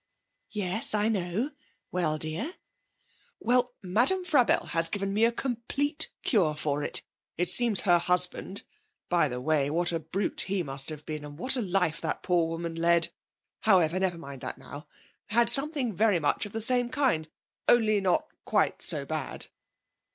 'Yes, I know. Well, dear?' 'Well, Madame Frabelle has given me a complete cure for it. It seems her husband (by the way, what a brute he must have been, and what a life that poor woman led! However, never mind that now) had something very much of the same kind, only not quite so bad.'